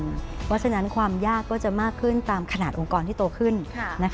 เพราะฉะนั้นความยากก็จะมากขึ้นตามขนาดองค์กรที่โตขึ้น